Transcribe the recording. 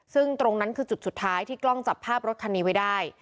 ซึ่งตรงนั้นคือจุดสุดท้ายที่กล้องจับภาพรถคันนี้ไว้ได้